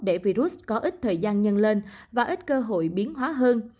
để virus có ít thời gian nhân lên và ít cơ hội biến hóa hơn